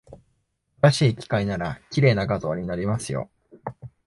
新しい機械なら、綺麗な画像になりますよ。